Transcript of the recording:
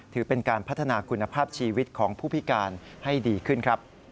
ถือเป็นการพัฒนาคุณภาพชีวิตของผู้พิการให้ดีขึ้นครับ